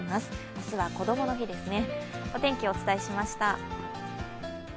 明日はこどもの日ですね。